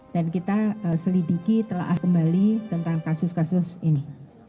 dan kita selidiki telah kembali tentang kasus kasus ini